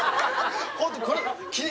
ホントにこれ。